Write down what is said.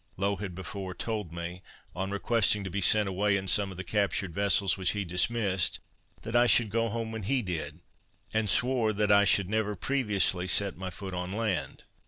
Low had before told me, on requesting to be sent away in some of the captured vessels which he dismissed, that I should go home when he did, and swore that I should never previously set my foot on land.